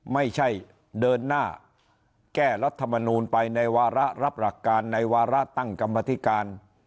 ไม่ใช่เดินหน้าแก้รัฐมนูลไปในวาระรับหลักการในวาระตั้งกรรมธิการ